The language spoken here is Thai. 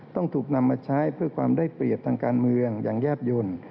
ต้องถูกนำมาใช้เพื่อความได้เปรียบทางการเมืองอย่างแยบยนต์